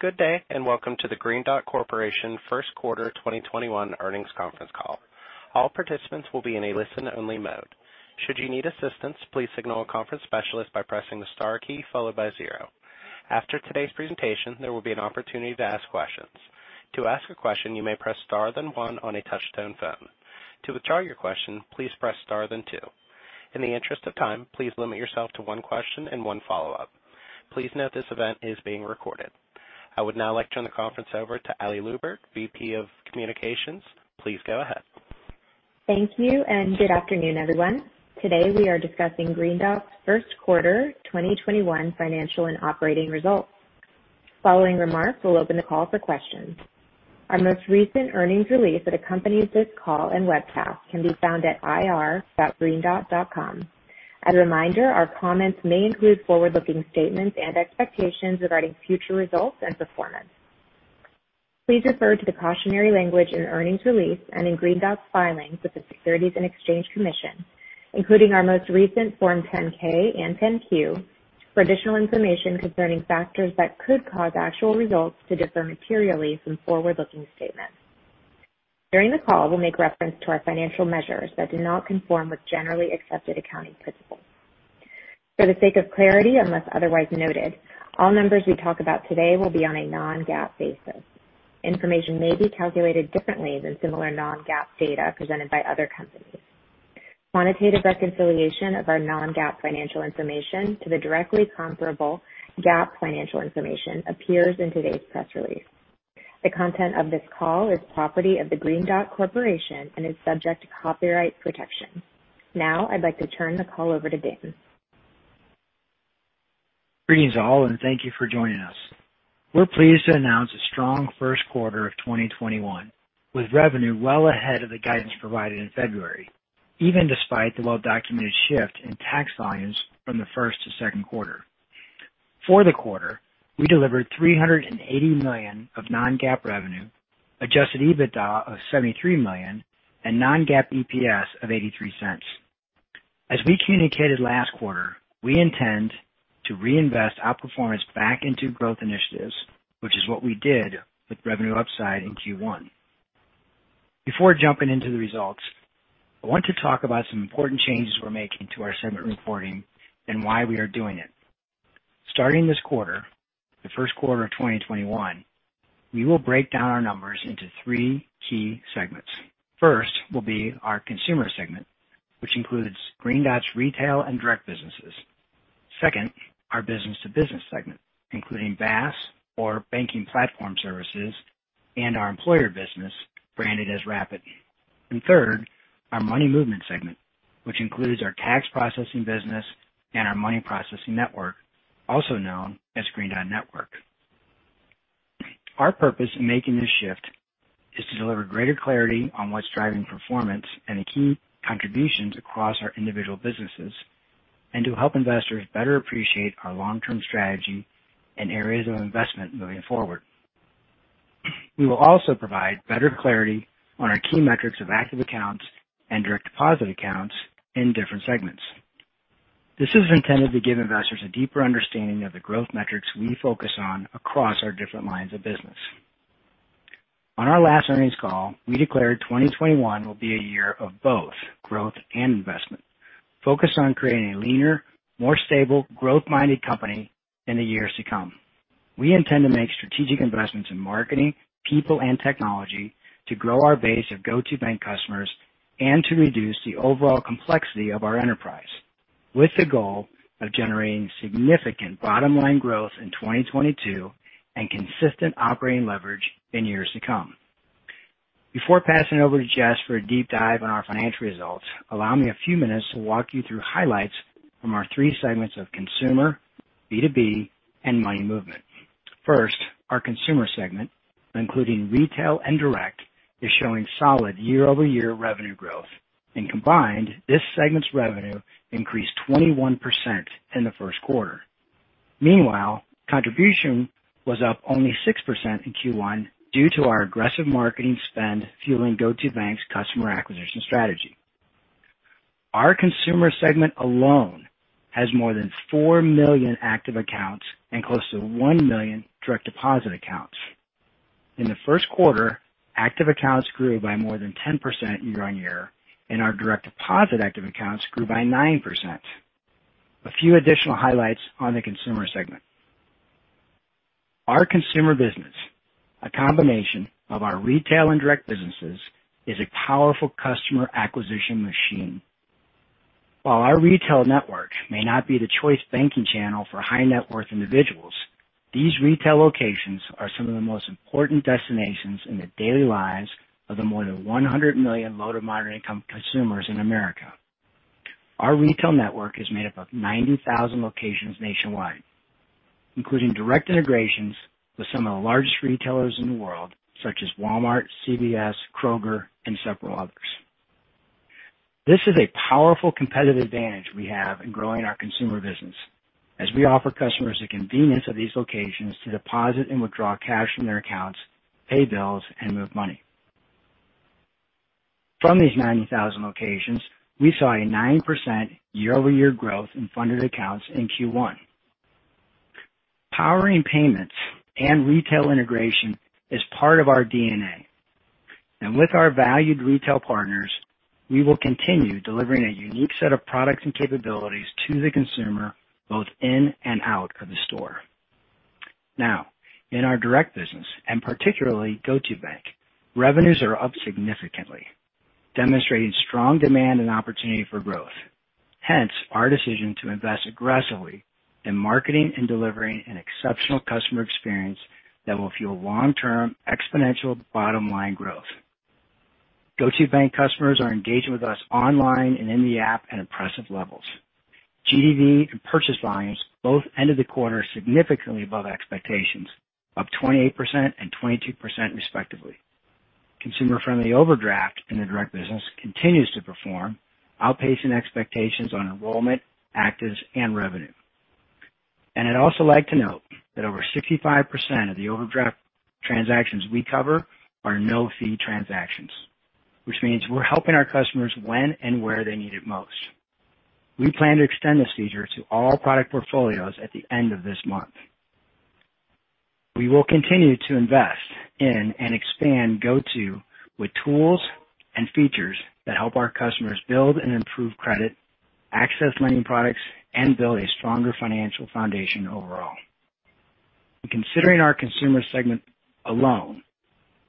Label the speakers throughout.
Speaker 1: Good day. Welcome to the Green Dot Corporation first quarter 2021 earnings conference call. All participants will be in a listen-only mode. Should you need assistance, please signal a conference specialist by pressing the star key followed by zero. After today's presentation, there will be an opportunity to ask questions. To ask a question, you may press star, then one on a touch-tone phone. To withdraw your question, please press star, then two. In the interest of time, please limit yourself to one question and one follow-up. Please note this event is being recorded. I would now like to turn the conference over to Ali Lubert, VP of Communications. Please go ahead.
Speaker 2: Thank you. Good afternoon, everyone. Today we are discussing Green Dot's first quarter 2021 financial and operating results. Following remarks, we'll open the call for questions. Our most recent earnings release that accompanies this call and webcast can be found at ir.greendot.com. As a reminder, our comments may include forward-looking statements and expectations regarding future results and performance. Please refer to the cautionary language and earnings release and in Green Dot's filings with the Securities and Exchange Commission, including our most recent Form 10-K and 10-Q, for additional information concerning factors that could cause actual results to differ materially from forward-looking statements. During the call, we'll make reference to our financial measures that do not conform with generally accepted accounting principles. For the sake of clarity, unless otherwise noted, all numbers we talk about today will be on a non-GAAP basis. Information may be calculated differently than similar non-GAAP data presented by other companies. Quantitative reconciliation of our non-GAAP financial information to the directly comparable GAAP financial information appears in today's press release. The content of this call is property of the Green Dot Corporation and is subject to copyright protection. Now, I'd like to turn the call over to Dan.
Speaker 3: Greetings all, thank you for joining us. We're pleased to announce a strong first quarter of 2021, with revenue well ahead of the guidance provided in February, even despite the well-documented shift in tax volumes from the first to second quarter. For the quarter, we delivered $380 million of non-GAAP revenue, adjusted EBITDA of $73 million, and non-GAAP EPS of $0.83. As we communicated last quarter, we intend to reinvest outperformance back into growth initiatives, which is what we did with revenue upside in Q1. Before jumping into the results, I want to talk about some important changes we're making to our segment reporting and why we are doing it. Starting this quarter, the first quarter of 2021, we will break down our numbers into three key segments. First will be our Consumer segment, which includes Green Dot's retail and direct businesses. Second, our business-to-business segment, including BaaS or banking platform services, and our employer business, branded as rapid!. Third, our money movement segment, which includes our tax processing business and our money processing network, also known as Green Dot Network. Our purpose in making this shift is to deliver greater clarity on what's driving performance and the key contributions across our individual businesses and to help investors better appreciate our long-term strategy and areas of investment moving forward. We will also provide better clarity on our key metrics of active accounts and direct deposit accounts in different segments. This is intended to give investors a deeper understanding of the growth metrics we focus on across our different lines of business. On our last earnings call, we declared 2021 will be a year of both growth and investment, focused on creating a leaner, more stable, growth-minded company in the years to come. We intend to make strategic investments in marketing, people, and technology to grow our base of GO2bank customers and to reduce the overall complexity of our enterprise, with the goal of generating significant bottom-line growth in 2022 and consistent operating leverage in years to come. Before passing over to Jess for a deep dive on our financial results, allow me a few minutes to walk you through highlights from our three segments of consumer, B2B, and money movement. First, our consumer segment, including retail and direct, is showing solid year-over-year revenue growth. Combined, this segment's revenue increased 21% in the first quarter. Meanwhile, contribution was up only 6% in Q1 due to our aggressive marketing spend fueling GO2bank's customer acquisition strategy. Our consumer segment alone has more than 4 million active accounts and close to 1 million direct deposit accounts. In the first quarter, active accounts grew by more than 10% year-on-year, and our direct deposit active accounts grew by 9%. A few additional highlights on the consumer segment. Our consumer business, a combination of our retail and direct businesses, is a powerful customer acquisition machine. While our retail network may not be the choice banking channel for high-net-worth individuals, these retail locations are some of the most important destinations in the daily lives of the more than 100 million low- to moderate-income consumers in America. Our retail network is made up of 90,000 locations nationwide, including direct integrations with some of the largest retailers in the world, such as Walmart, CVS, Kroger, and several others. This is a powerful competitive advantage we have in growing our consumer business as we offer customers the convenience of these locations to deposit and withdraw cash from their accounts, pay bills, and move money. From these 90,000 locations, we saw a 9% year-over-year growth in funded accounts in Q1. Powering payments and retail integration is part of our DNA. With our valued retail partners, we will continue delivering a unique set of products and capabilities to the consumer both in and out of the store. In our direct business, and particularly GO2bank, revenues are up significantly, demonstrating strong demand and opportunity for growth. Our decision to invest aggressively in marketing and delivering an exceptional customer experience that will fuel long-term exponential bottom-line growth. GO2bank customers are engaging with us online and in the app at impressive levels. GDV and purchase volumes both ended the quarter significantly above expectations, up 28% and 22% respectively. Consumer-friendly overdraft in the direct business continues to perform outpacing expectations on enrollment, actives, and revenue. I'd also like to note that over 65% of the overdraft transactions we cover are no-fee transactions, which means we're helping our customers when and where they need it most. We plan to extend this feature to all product portfolios at the end of this month. We will continue to invest in and expand GO2bank with tools and features that help our customers build and improve credit, access lending products, and build a stronger financial foundation overall. Considering our consumer segment alone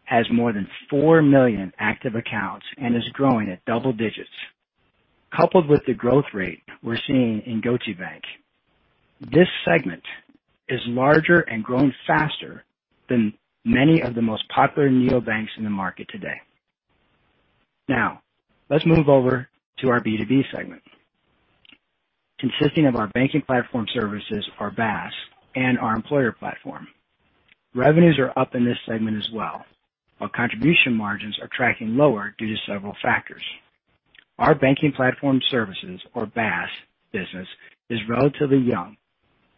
Speaker 3: has more than 4 million active accounts and is growing at double digits, coupled with the growth rate we're seeing in GO2bank, this segment is larger and growing faster than many of the most popular neobanks in the market today. Now, let's move over to our B2B segment, consisting of our banking platform services, our BaaS, and our employer platform. Revenues are up in this segment as well, while contribution margins are tracking lower due to several factors. Our banking platform services, or BaaS business, is relatively young,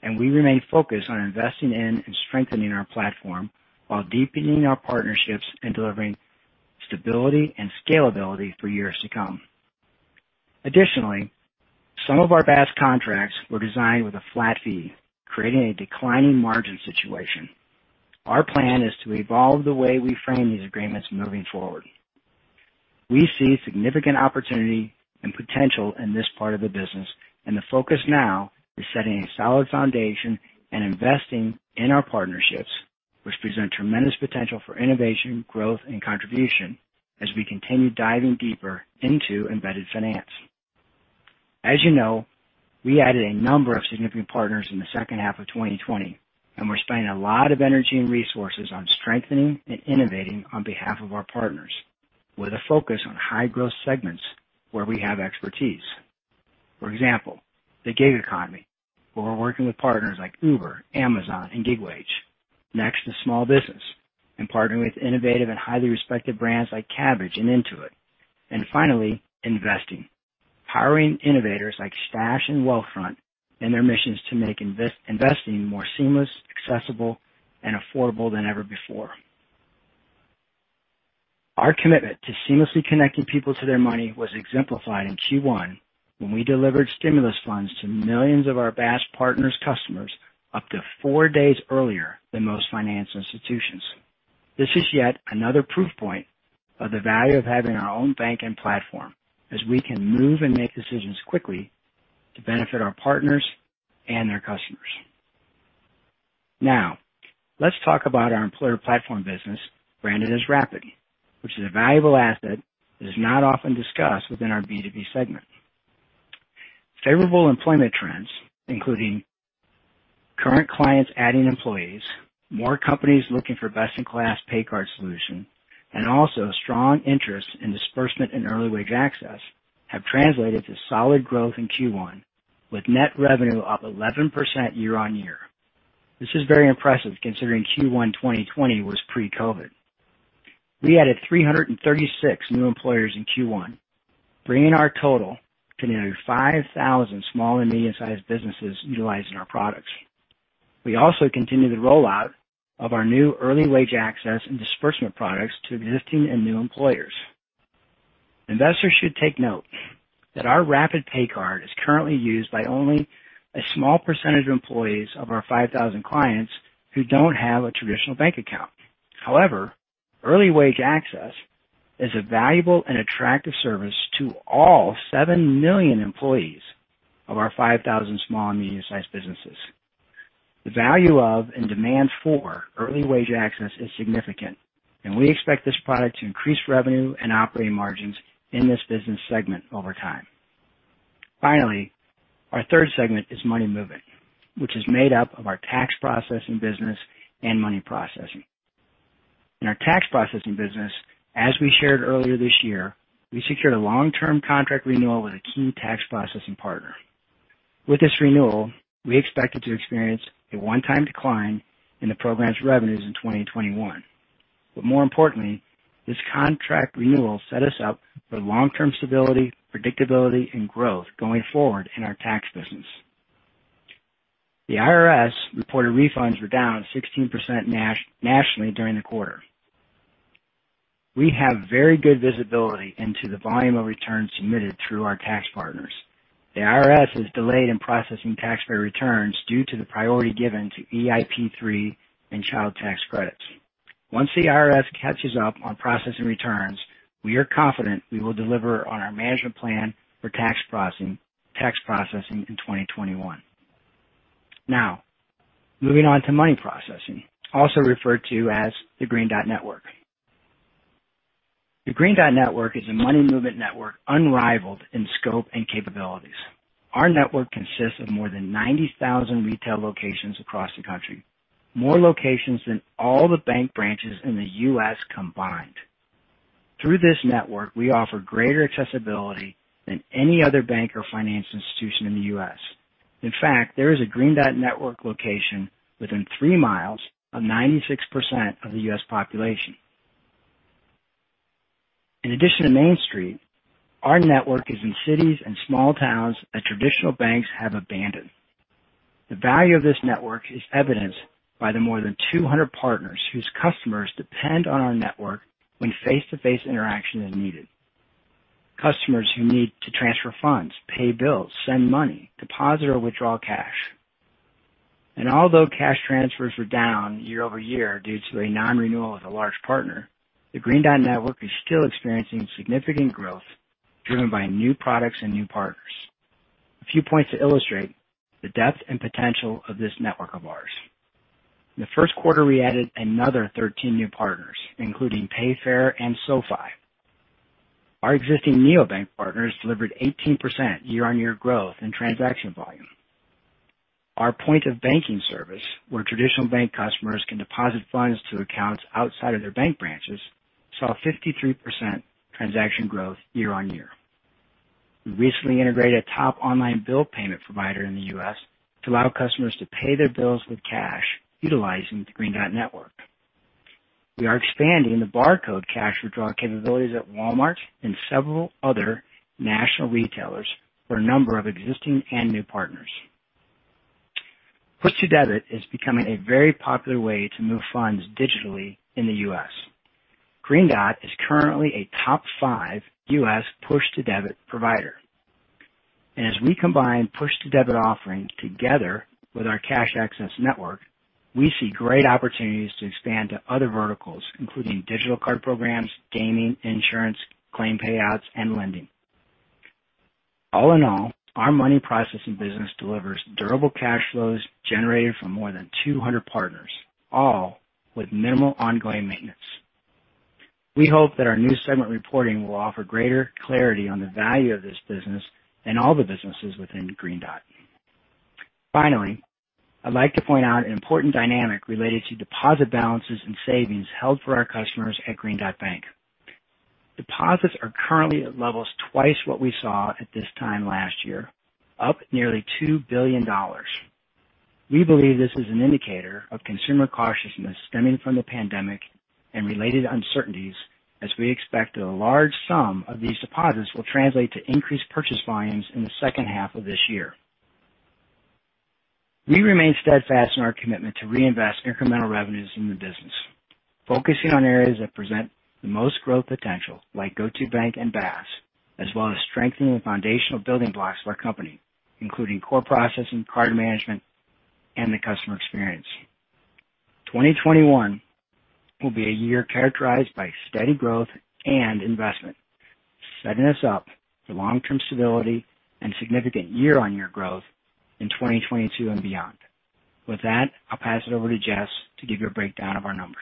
Speaker 3: and we remain focused on investing in and strengthening our platform while deepening our partnerships and delivering stability and scalability for years to come. Additionally, some of our BaaS contracts were designed with a flat fee, creating a declining margin situation. Our plan is to evolve the way we frame these agreements moving forward. We see significant opportunity and potential in this part of the business, and the focus now is setting a solid foundation and investing in our partnerships, which present tremendous potential for innovation, growth, and contribution as we continue diving deeper into embedded finance. As you know, we added a number of significant partners in the second half of 2020, and we're spending a lot of energy and resources on strengthening and innovating on behalf of our partners with a focus on high-growth segments where we have expertise. For example, the gig economy, where we're working with partners like Uber, Amazon, and Gig Wage. Next is small business and partnering with innovative and highly respected brands like Kabbage and Intuit. Finally, investing. Powering innovators like Stash and Wealthfront in their missions to make investing more seamless, accessible, and affordable than ever before. Our commitment to seamlessly connecting people to their money was exemplified in Q1 when we delivered stimulus funds to millions of our BaaS partners' customers up to four days earlier than most finance institutions. This is yet another proof point of the value of having our own bank and platform, as we can move and make decisions quickly to benefit our partners and their customers. Now, let's talk about our employer platform business, branded as rapid!, which is a valuable asset that is not often discussed within our B2B segment. Favorable employment trends, including current clients adding employees, more companies looking for best-in-class pay card solution, and also strong interest in disbursement and early wage access, have translated to solid growth in Q1, with net revenue up 11% year-on-year. This is very impressive considering Q1 2020 was pre-COVID. We added 336 new employers in Q1, bringing our total to nearly 5,000 small and medium-sized businesses utilizing our products. We also continue the rollout of our new early wage access and disbursement products to existing and new employers. Investors should take note that our rapid! PayCard is currently used by only a small percentage of employees of our 5,000 clients who don't have a traditional bank account. Early wage access is a valuable and attractive service to all 7 million employees of our 5,000 small and medium-sized businesses. The value of and demand for early wage access is significant, we expect this product to increase revenue and operating margins in this business segment over time. Our third segment is Money Movement, which is made up of our tax processing business and money processing. In our tax processing business, as we shared earlier this year, we secured a long-term contract renewal with a key tax processing partner. With this renewal, we expected to experience a one-time decline in the program's revenues in 2021. More importantly, this contract renewal set us up for long-term stability, predictability, and growth going forward in our tax business. The IRS reported refunds were down 16% nationally during the quarter. We have very good visibility into the volume of returns submitted through our tax partners. The IRS is delayed in processing taxpayer returns due to the priority given to EIP3 and child tax credits. Once the IRS catches up on processing returns, we are confident we will deliver on our management plan for tax processing in 2021. Moving on to money processing, also referred to as the Green Dot Network. The Green Dot Network is a money movement network unrivaled in scope and capabilities. Our network consists of more than 90,000 retail locations across the country, more locations than all the bank branches in the U.S. combined. Through this network, we offer greater accessibility than any other bank or financial institution in the U.S. In fact, there is a Green Dot Network location within three miles of 96% of the U.S. population. In addition to Main Street, our network is in cities and small towns that traditional banks have abandoned. The value of this network is evidenced by the more than 200 partners whose customers depend on our network when face-to-face interaction is needed. Customers who need to transfer funds, pay bills, send money, deposit or withdraw cash. Although cash transfers were down year-over-year due to a non-renewal with a large partner, the Green Dot Network is still experiencing significant growth driven by new products and new partners. A few points to illustrate the depth and potential of this network of ours. In the first quarter, we added another 13 new partners, including Payfare and SoFi. Our existing neobank partners delivered 18% year-on-year growth in transaction volume. Our point-of-banking service, where traditional bank customers can deposit funds to accounts outside of their bank branches, saw 53% transaction growth year-on-year. We recently integrated a top online bill payment provider in the U.S. to allow customers to pay their bills with cash utilizing the Green Dot Network. We are expanding the barcode cash withdrawal capabilities at Walmart and several other national retailers for a number of existing and new partners. Push to debit is becoming a very popular way to move funds digitally in the U.S. Green Dot is currently a top five U.S. push to debit provider. As we combine push to debit offerings together with our Green Dot Network, we see great opportunities to expand to other verticals, including digital card programs, gaming, insurance, claim payouts, and lending. All in all, our money processing business delivers durable cash flows generated from more than 200 partners, all with minimal ongoing maintenance. We hope that our new segment reporting will offer greater clarity on the value of this business and all the businesses within Green Dot. Finally, I'd like to point out an important dynamic related to deposit balances and savings held for our customers at Green Dot Bank. Deposits are currently at levels twice what we saw at this time last year, up nearly $2 billion. We believe this is an indicator of consumer cautiousness stemming from the pandemic and related uncertainties, as we expect that a large sum of these deposits will translate to increased purchase volumes in the second half of this year. We remain steadfast in our commitment to reinvest incremental revenues in the business, focusing on areas that present the most growth potential, like GO2bank and BaaS, as well as strengthening the foundational building blocks of our company, including core processing, card management, and the customer experience. 2021 will be a year characterized by steady growth and investment, setting us up for long-term stability and significant year-on-year growth in 2022 and beyond. With that, I'll pass it over to Jess to give you a breakdown of our numbers.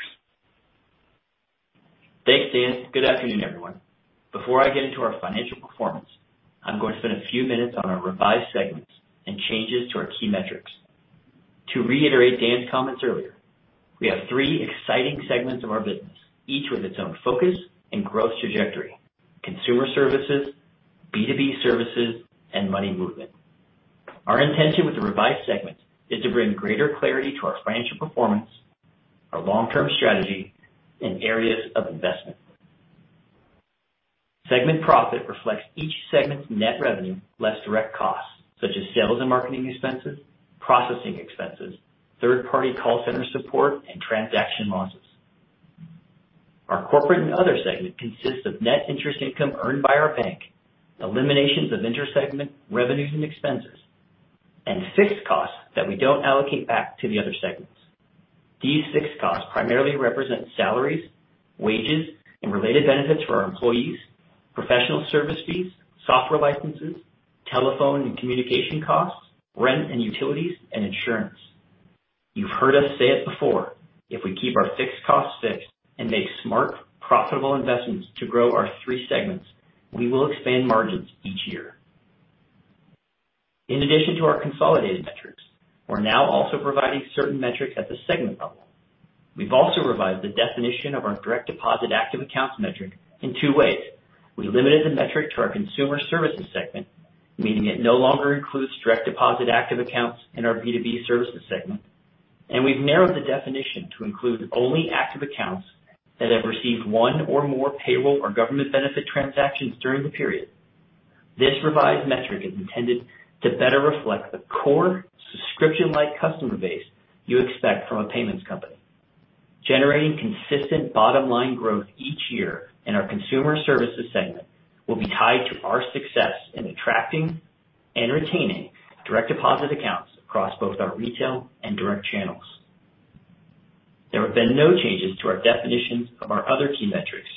Speaker 4: Thanks, Dan. Good afternoon, everyone. Before I get into our financial performance, I'm going to spend a few minutes on our revised segments and changes to our key metrics. To reiterate Dan's comments earlier, we have three exciting segments of our business, each with its own focus and growth trajectory: Consumer Services, B2B Services, and Money Movement. Our intention with the revised segments is to bring greater clarity to our financial performance, our long-term strategy, and areas of investment. Segment profit reflects each segment's net revenue less direct costs, such as sales and marketing expenses, processing expenses, third-party call center support, and transaction losses. Our Corporate and Other segment consists of net interest income earned by our bank, eliminations of intersegment revenues and expenses, and fixed costs that we don't allocate back to the other segments. These fixed costs primarily represent salaries, wages, and related benefits for our employees, professional service fees, software licenses, telephone and communication costs, rent and utilities, and insurance. You've heard us say it before, if we keep our fixed costs fixed and make smart, profitable investments to grow our three segments, we will expand margins each year. In addition to our consolidated metrics, we're now also providing certain metrics at the segment level. We've also revised the definition of our direct deposit active accounts metric in two ways. We limited the metric to our Consumer Services Segment, meaning it no longer includes direct deposit active accounts in our B2B Services Segment. We've narrowed the definition to include only active accounts that have received one or more payroll or government benefit transactions during the period. This revised metric is intended to better reflect the core subscription-like customer base you expect from a payments company. Generating consistent bottom-line growth each year in our consumer services segment will be tied to our success in attracting and retaining direct deposit accounts across both our retail and direct channels. There have been no changes to our definitions of our other key metrics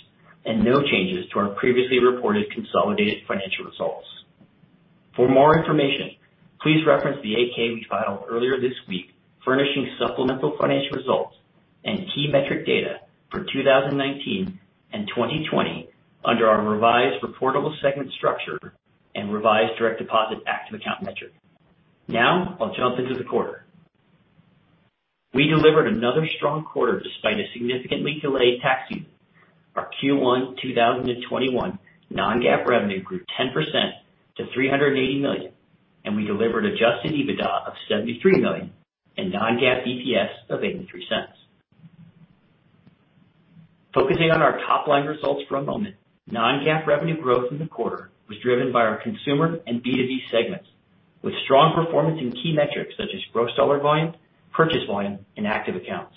Speaker 4: and no changes to our previously reported consolidated financial results. For more information, please reference the 8-K we filed earlier this week furnishing supplemental financial results and key metric data for 2019 and 2020 under our revised reportable segment structure and revised direct deposit active account metric. I'll jump into the quarter. We delivered another strong quarter despite a significantly delayed tax season. Our Q1 2021 non-GAAP revenue grew 10% to $380 million, and we delivered adjusted EBITDA of $73 million and non-GAAP EPS of $0.83. Focusing on our top-line results for a moment. Non-GAAP revenue growth in the quarter was driven by our consumer and B2B segments, with strong performance in key metrics such as gross dollar volume, purchase volume, and active accounts.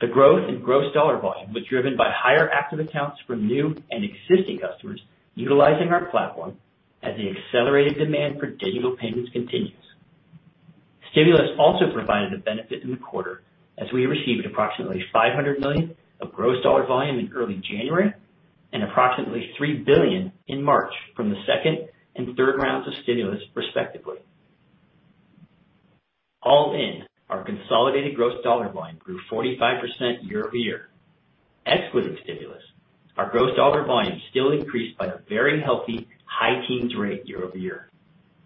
Speaker 4: The growth in gross dollar volume was driven by higher active accounts from new and existing customers utilizing our platform as the accelerated demand for digital payments continues. Stimulus also provided a benefit in the quarter as we received approximately $500 million of gross dollar volume in early January and approximately $3 billion in March from the second and third rounds of stimulus, respectively. All in, our consolidated gross dollar volume grew 45% year-over-year. Excluding stimulus, our gross dollar volume still increased by a very healthy high teens rate year-over-year.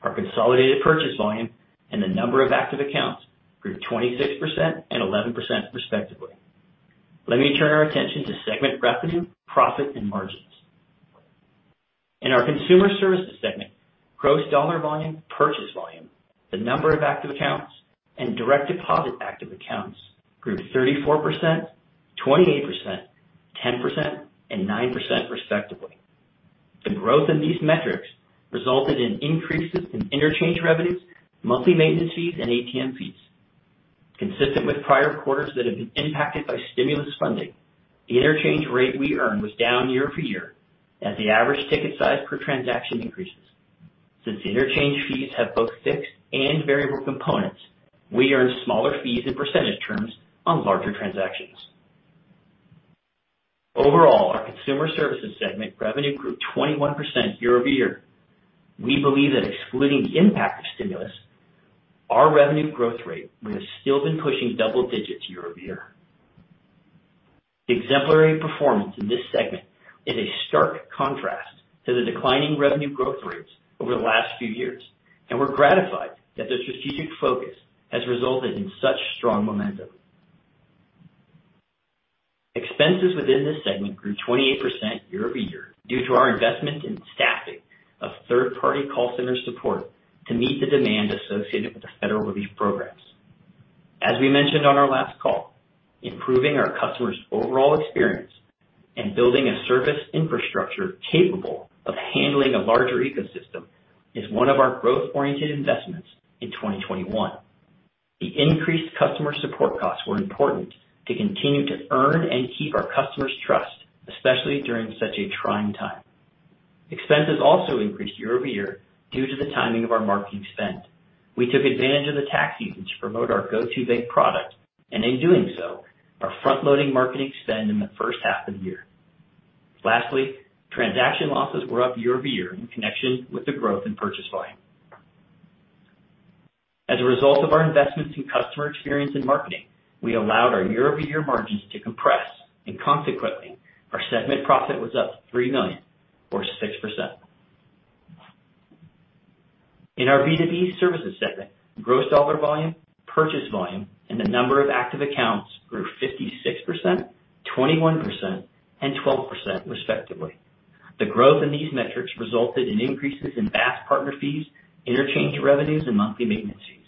Speaker 4: Our consolidated purchase volume and the number of active accounts grew 26% and 11% respectively. Let me turn our attention to segment revenue, profit, and margins. In our consumer services segment, gross dollar volume, purchase volume, the number of active accounts, and direct deposit active accounts grew 34%, 28%, 10%, and 9% respectively. The growth in these metrics resulted in increases in interchange revenues, monthly maintenance fees, and ATM fees. Consistent with prior quarters that have been impacted by stimulus funding, the interchange rate we earned was down year-over-year as the average ticket size per transaction increases. Since interchange fees have both fixed and variable components, we earn smaller fees in percentage terms on larger transactions. Overall, our Consumer Services segment revenue grew 21% year-over-year. We believe that excluding the impact of stimulus, our revenue growth rate would have still been pushing double digits year-over-year. The exemplary performance in this segment is a stark contrast to the declining revenue growth rates over the last few years, and we're gratified that the strategic focus has resulted in such strong momentum. Expenses within this segment grew 28% year-over-year due to our investment in staffing of third-party call center support to meet the demand associated with the federal relief programs. As we mentioned on our last call, improving our customers' overall experience and building a service infrastructure capable of handling a larger ecosystem is one of our growth-oriented investments in 2021. The increased customer support costs were important to continue to earn and keep our customers' trust, especially during such a trying time. Expenses also increased year-over-year due to the timing of our marketing spend. We took advantage of the tax season to promote our GO2bank product, and in doing so, are front-loading marketing spend in the first half of the year. Lastly, transaction losses were up year-over-year in connection with the growth in purchase volume. As a result of our investments in customer experience and marketing, we allowed our year-over-year margins to compress, and consequently, our segment profit was up $3 million or 6%. In our B2B services segment, gross dollar volume, purchase volume, and the number of active accounts grew 56%, 21%, and 12% respectively. The growth in these metrics resulted in increases in BaaS partner fees, interchange revenues, and monthly maintenance fees.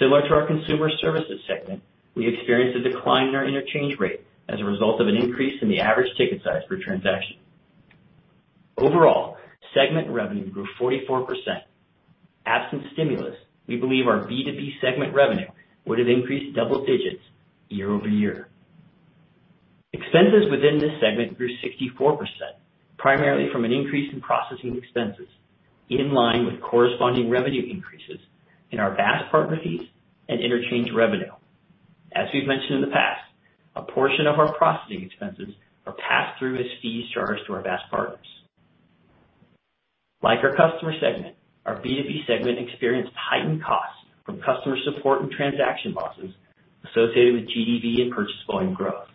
Speaker 4: Similar to our consumer services segment, we experienced a decline in our interchange rate as a result of an increase in the average ticket size per transaction. Overall, segment revenue grew 44%. Absent stimulus, we believe our B2B segment revenue would have increased double digits year-over-year. Expenses within this segment grew 64%, primarily from an increase in processing expenses in line with corresponding revenue increases in our BaaS partner fees and interchange revenue. As we've mentioned in the past, a portion of our processing expenses are passed through as fees charged to our BaaS partners. Like our customer segment, our B2B segment experienced heightened costs from customer support and transaction losses associated with GDV and purchase volume growth.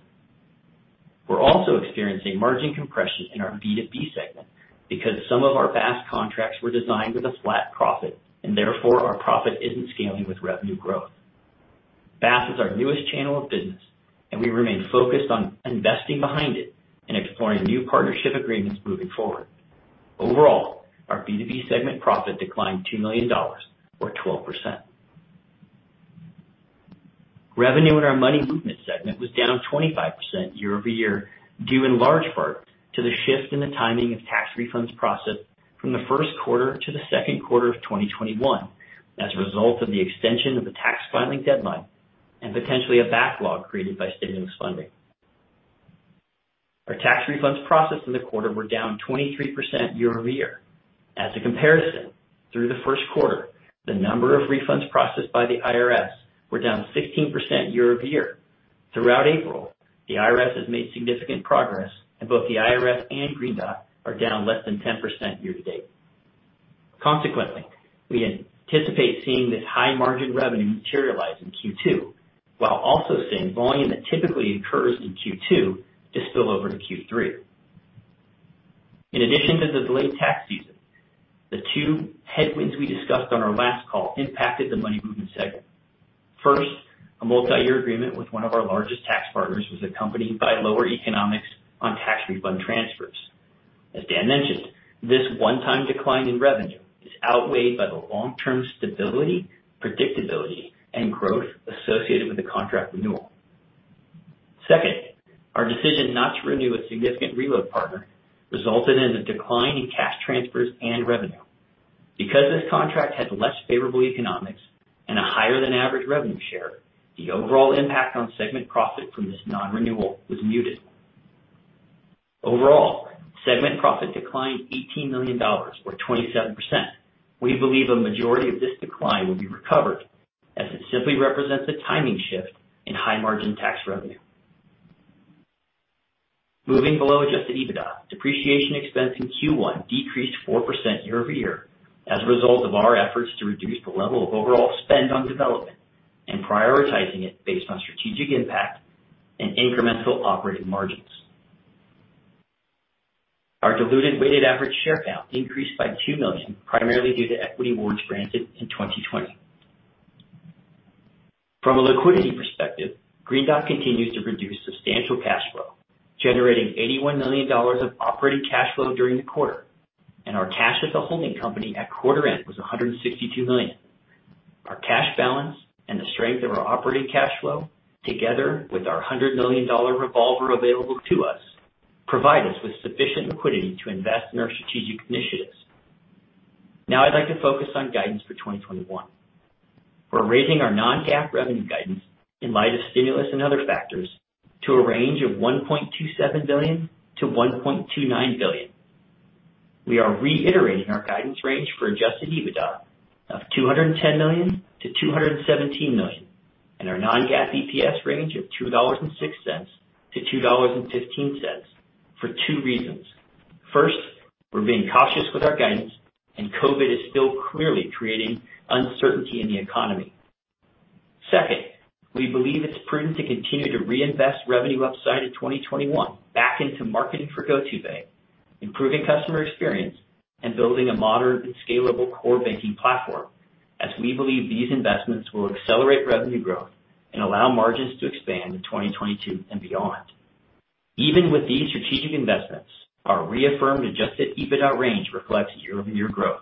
Speaker 4: We're also experiencing margin compression in our B2B segment because some of our BaaS contracts were designed with a flat profit and therefore our profit isn't scaling with revenue growth. BaaS is our newest channel of business, and we remain focused on investing behind it and exploring new partnership agreements moving forward. Overall, our B2B segment profit declined $2 million or 12%. Revenue in our Money Movement segment was down 25% year-over-year, due in large part to the shift in the timing of tax refunds processed from the first quarter to the second quarter of 2021 as a result of the extension of the tax filing deadline and potentially a backlog created by stimulus funding. Our tax refunds processed in the quarter were down 23% year-over-year. As a comparison, through the first quarter, the number of refunds processed by the IRS were down 16% year-over-year. Throughout April, the IRS has made significant progress, and both the IRS and Green Dot are down less than 10% year-to-date. Consequently, we anticipate seeing this high-margin revenue materialize in Q2 while also seeing volume that typically occurs in Q2 to spill over to Q3. In addition to the delayed tax season, the two headwinds we discussed on our last call impacted the Money Movement segment. First, a multi-year agreement with one of our largest tax partners was accompanied by lower economics on tax refund transfers. As Dan mentioned, this one-time decline in revenue is outweighed by the long-term stability, predictability, and growth associated with the contract renewal. Second, our decision not to renew a significant reload partner resulted in a decline in cash transfers and revenue. Because this contract had less favorable economics and a higher-than-average revenue share, the overall impact on segment profit from this non-renewal was muted. Overall, segment profit declined $18 million or 27%. We believe a majority of this decline will be recovered as it simply represents a timing shift in high-margin tax revenue. Moving below adjusted EBITDA, depreciation expense in Q1 decreased 4% year-over-year as a result of our efforts to reduce the level of overall spend on development and prioritizing it based on strategic impact and incremental operating margins. Our diluted weighted average share count increased by two million, primarily due to equity awards granted in 2020. From a liquidity perspective, Green Dot continues to produce substantial cash flow, generating $81 million of operating cash flow during the quarter, and our cash as a holding company at quarter end was $162 million. Our cash balance and the strength of our operating cash flow, together with our $100 million revolver available to us, provide us with sufficient liquidity to invest in our strategic initiatives. I'd like to focus on guidance for 2021. We're raising our non-GAAP revenue guidance in light of stimulus and other factors to a range of $1.27 billion-$1.29 billion. We are reiterating our guidance range for adjusted EBITDA of $210 million-$217 million and our non-GAAP EPS range of $2.06-$2.15 for two reasons. First, we're being cautious with our guidance, COVID is still clearly creating uncertainty in the economy. Second, we believe it's prudent to continue to reinvest revenue upside in 2021 back into marketing for GO2bank, improving customer experience, and building a modern and scalable core banking platform, as we believe these investments will accelerate revenue growth and allow margins to expand in 2022 and beyond. Even with these strategic investments, our reaffirmed adjusted EBITDA range reflects year-over-year growth.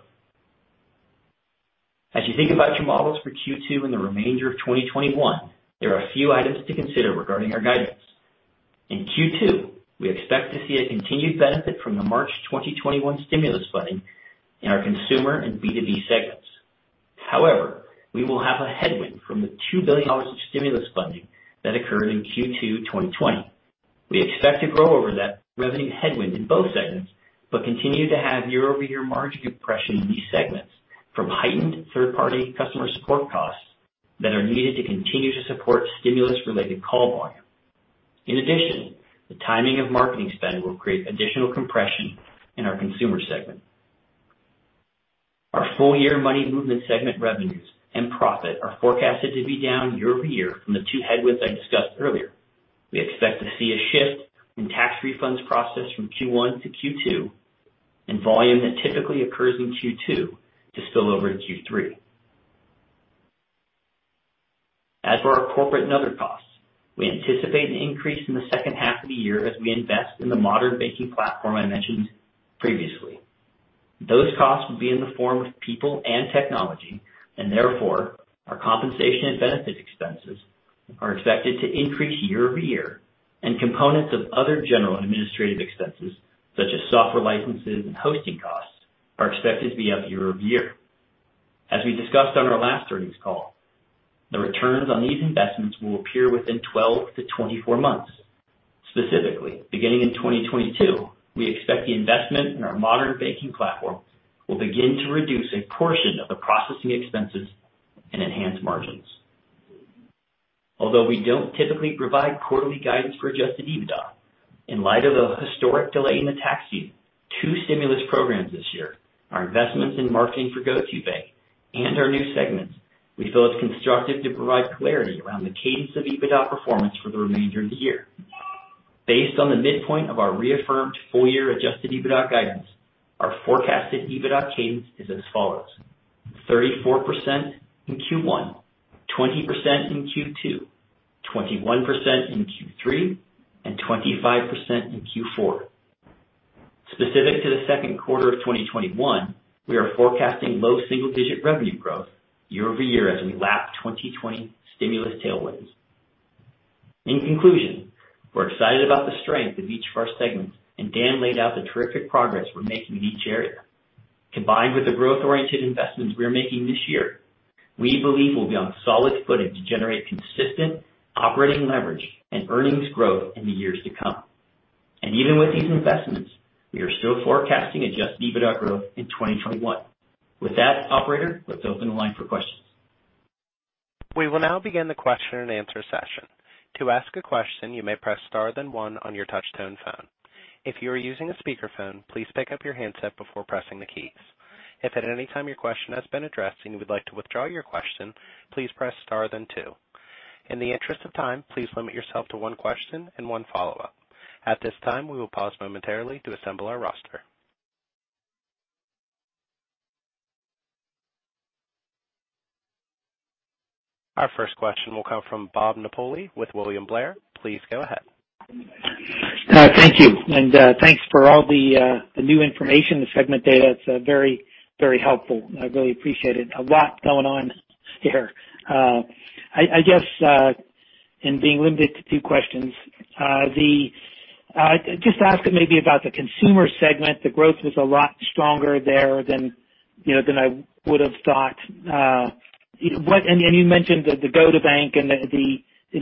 Speaker 4: As you think about your models for Q2 and the remainder of 2021, there are a few items to consider regarding our guidance. In Q2, we expect to see a continued benefit from the March 2021 stimulus funding in our consumer and B2B segments. However, we will have a headwind from the $2 billion of stimulus funding that occurred in Q2 2020. We expect to grow over that revenue headwind in both segments, but continue to have year-over-year margin compression in these segments from heightened third-party customer support costs that are needed to continue to support stimulus-related call volume. In addition, the timing of marketing spend will create additional compression in our consumer segment. Our full-year Money Movement segment revenues and profit are forecasted to be down year-over-year from the two headwinds I discussed earlier. We expect to see a shift in tax refunds processed from Q1 to Q2 and volume that typically occurs in Q2 to spill over to Q3. As for our corporate and other costs, we anticipate an increase in the second half of the year as we invest in the modern banking platform I mentioned previously. Those costs will be in the form of people and technology, and therefore, our compensation and benefit expenses are expected to increase year-over-year, and components of other general administrative expenses, such as software licenses and hosting costs, are expected to be up year-over-year. As we discussed on our last earnings call, the returns on these investments will appear within 12 to 24 months. Specifically, beginning in 2022, we expect the investment in our modern banking platform will begin to reduce a portion of the processing expenses and enhance margins. Although we don't typically provide quarterly guidance for adjusted EBITDA, in light of the historic delay in the tax season, two stimulus programs this year, our investments in marketing for GO2bank, and our new segments, we feel it's constructive to provide clarity around the cadence of EBITDA performance for the remainder of the year. Based on the midpoint of our reaffirmed full-year adjusted EBITDA guidance, our forecasted EBITDA cadence is as follows: 34% in Q1, 20% in Q2, 21% in Q3, and 25% in Q4. Specific to the second quarter of 2021, we are forecasting low single-digit revenue growth year-over-year as we lap 2020 stimulus tailwinds. In conclusion, we're excited about the strength of each of our segments, Dan laid out the terrific progress we're making in each area. Combined with the growth-oriented investments we are making this year, we believe we'll be on solid footing to generate consistent operating leverage and earnings growth in the years to come. Even with these investments, we are still forecasting adjusted EBITDA growth in 2021. With that, operator, let's open the line for questions.
Speaker 1: We will now begin the question-and-answer session. To ask a question, you may press star then one on your touch-tone phone. If you are using a speakerphone, please pick up your handset before pressing the keys. If at any time your question has been addressed and you would like to withdraw your question, please press star then two. In the interest of time, please limit yourself to one question and one follow-up. At this time, we will pause momentarily to assemble our roster. Our first question will come from Bob Napoli with William Blair. Please go ahead.
Speaker 5: Thank you. Thanks for all the new information, the segment data. It's very helpful. I really appreciate it. A lot going on there. I guess in being limited to two questions, just ask maybe about the consumer segment. The growth was a lot stronger there than I would've thought. You mentioned the GO2bank and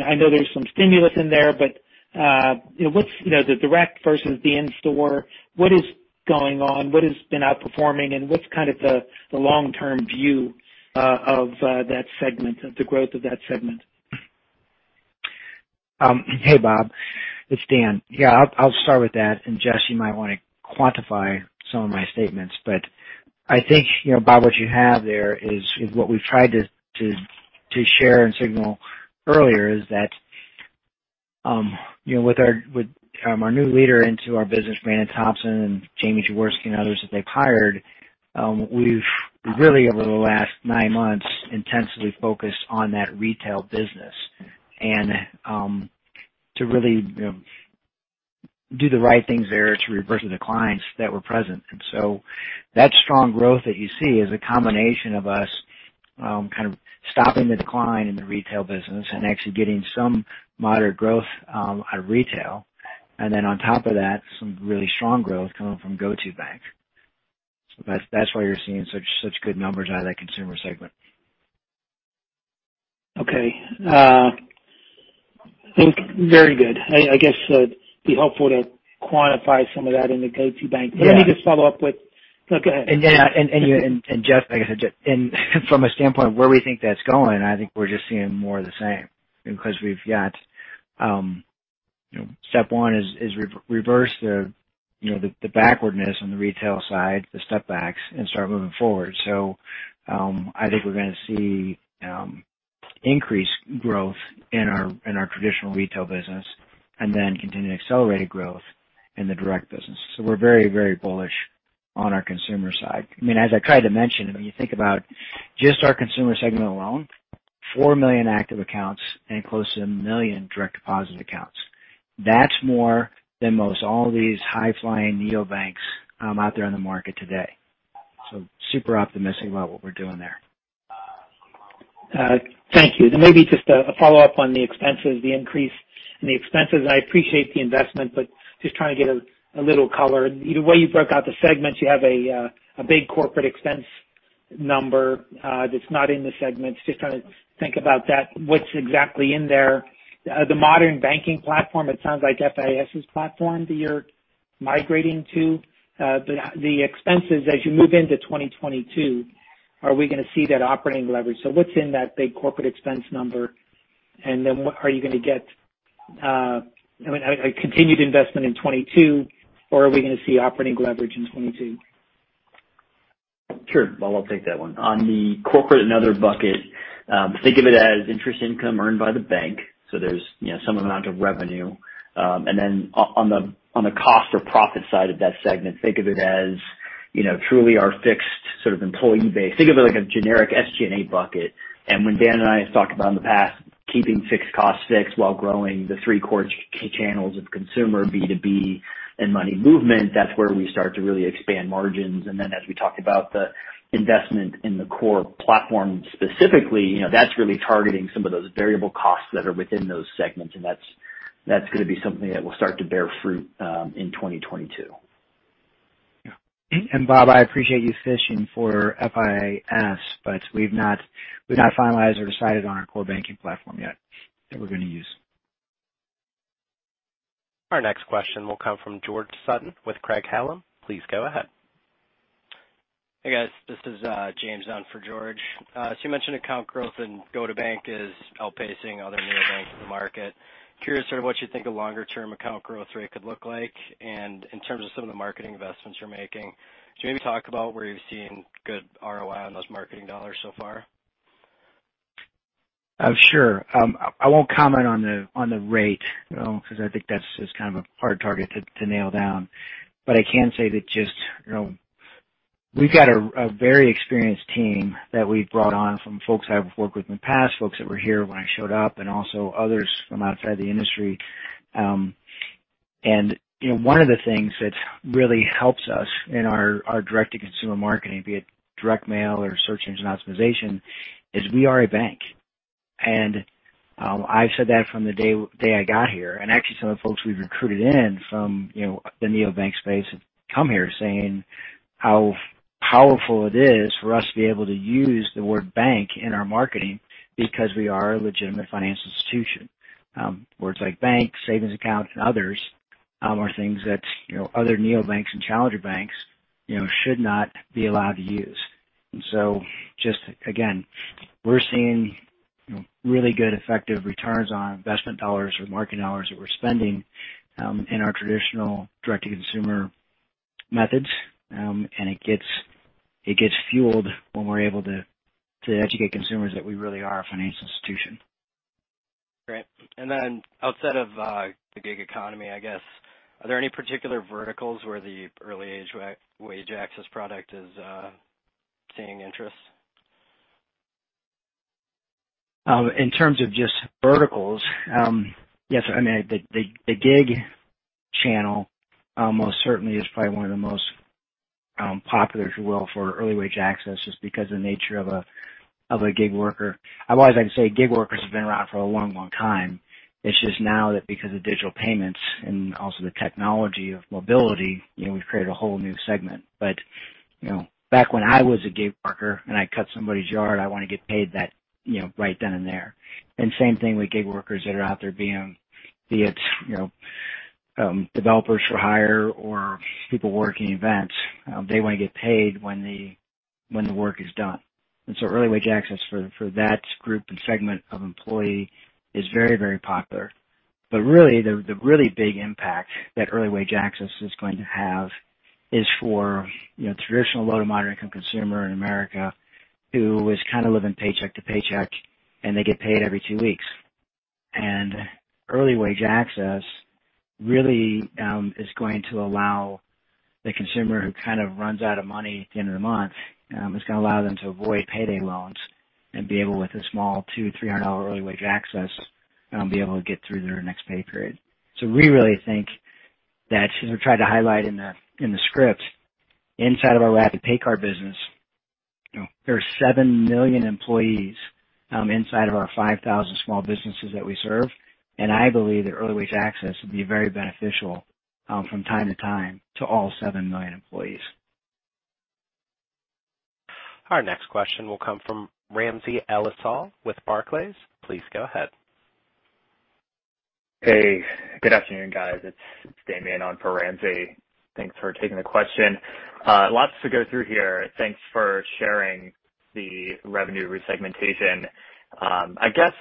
Speaker 5: I know there's some stimulus in there, the direct versus the in-store, what is going on? What has been outperforming, and what's kind of the long-term view of that segment, the growth of that segment?
Speaker 3: Hey, Bob. It's Dan. Yeah, I'll start with that. Jess, you might want to quantify some of my statements, but I think Bob, what you have there is what we've tried to share and signal earlier is that with our new leader into our business, Brandon Thompson and Jamison Jaworski and others that they've hired, we've really over the last nine months intensely focused on that retail business and to really do the right things there to reverse the declines that were present. That strong growth that you see is a combination of us kind of stopping the decline in the retail business and actually getting some moderate growth out of retail. On top of that, some really strong growth coming from GO2bank. That's why you're seeing such good numbers out of that consumer segment.
Speaker 5: Okay. Very good. I guess it'd be helpful to quantify some of that in the GO2bank.
Speaker 3: Yeah.
Speaker 5: Let me just follow up. Go ahead.
Speaker 3: Jess, like I said, from a standpoint of where we think that's going, I think we're just seeing more of the same because we've got step one is reverse the backwardness on the retail side, the step backs, and start moving forward. I think we're going to see increased growth in our traditional retail business and then continued accelerated growth in the direct business. We're very bullish on our consumer side. As I tried to mention, when you think about just our consumer segment alone, 4 million active accounts and close to 1 million direct deposit accounts. That's more than most all these high-flying neobanks out there in the market today. Super optimistic about what we're doing there.
Speaker 5: Thank you. Maybe just a follow-up on the expenses, the increase in the expenses. I appreciate the investment, but just trying to get a little color. The way you broke out the segments, you have a big corporate expense number that's not in the segments. Just trying to think about that, what's exactly in there. The modern banking platform, it sounds like FIS's platform that you're migrating to. The expenses as you move into 2022, are we going to see that operating leverage? What's in that big corporate expense number, and then are you going to get a continued investment in 2022 or are we going to see operating leverage in 2022?
Speaker 4: Sure. Bob, I'll take that one. On the corporate and other bucket, think of it as interest income earned by the bank, there's some amount of revenue. On the cost or profit side of that segment, think of it as truly our fixed sort of employee base. Think of it like a generic SG&A bucket. When Dan and I have talked about in the past, keeping fixed costs fixed while growing the three core channels of consumer, B2B, and money movement, that's where we start to really expand margins. As we talked about the investment in the core platform specifically, that's really targeting some of those variable costs that are within those segments, and that's going to be something that will start to bear fruit in 2022.
Speaker 3: Yeah. Bob, I appreciate you fishing for FIS, but we've not finalized or decided on our core banking platform yet that we're going to use.
Speaker 1: Our next question will come from George Sutton with Craig-Hallum. Please go ahead.
Speaker 6: Hey, guys. This is James on for George. You mentioned account growth and GO2bank is outpacing other neobanks in the market. Curious sort of what you think the longer-term account growth rate could look like, and in terms of some of the marketing investments you're making. Could you maybe talk about where you've seen good ROI on those marketing dollars so far?
Speaker 3: Sure. I won't comment on the rate because I think that's just kind of a hard target to nail down. I can say that we've got a very experienced team that we've brought on from folks I've worked with in the past, folks that were here when I showed up, and also others from outside the industry. One of the things that really helps us in our direct-to-consumer marketing, be it direct mail or search engine optimization, is we are a bank. I've said that from the day I got here. Actually, some of the folks we've recruited in from the neobank space have come here saying how powerful it is for us to be able to use the word bank in our marketing because we are a legitimate financial institution. Words like bank, savings account, and others are things that other neobanks and challenger banks should not be allowed to use. Just again, we're seeing really good effective returns on investment dollars or marketing dollars that we're spending in our traditional direct-to-consumer methods. It gets fueled when we're able to educate consumers that we really are a financial institution.
Speaker 6: Great. Then outside of the gig economy, I guess, are there any particular verticals where the early wage access product is seeing interest?
Speaker 3: In terms of just verticals, yes. The gig channel most certainly is probably one of the most popular, if you will, for early wage access just because of the nature of a gig worker. Otherwise, I can say gig workers have been around for a long time. It's just now that because of digital payments and also the technology of mobility we've created a whole new segment. Back when I was a gig worker and I cut somebody's yard, I want to get paid right then and there. Same thing with gig workers that are out there, be it developers for hire or people working events. They want to get paid when the work is done. Early wage access for that group and segment of employee is very popular. Really, the really big impact that early wage access is going to have is for the traditional low to moderate income consumer in America who is kind of living paycheck to paycheck, and they get paid every two weeks. Early wage access really is going to allow the consumer who kind of runs out of money at the end of the month, it's going to allow them to avoid payday loans and be able, with a small $200-$300 early wage access be able to get through their next pay period. We really think that since we tried to highlight in the script inside of our rapid! PayCard business, there are 7 million employees inside of our 5,000 small businesses that we serve, and I believe that early wage access would be very beneficial from time to time to all 7 million employees.
Speaker 1: Our next question will come from Ramsey El-Assal with Barclays. Please go ahead.
Speaker 7: Hey, good afternoon, guys. It's Damian on for Ramsey. Thanks for taking the question. Lots to go through here. Thanks for sharing the revenue resegmentation. I guess